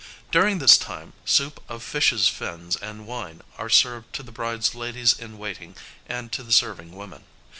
During this time soup of fishes' fins and wine are served to the bride's ladies in waiting and to the serving women.